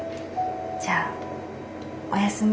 じゃあおやすみ。